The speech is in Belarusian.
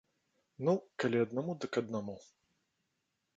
Ну, калі аднаму, дык аднаму.